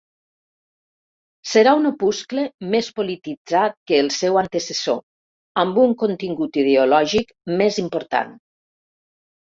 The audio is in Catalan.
Serà un opuscle més polititzat que el seu antecessor, amb un contingut ideològic més important.